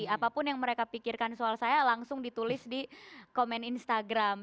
apapun yang mereka pikirkan soal saya langsung ditulis di komen instagram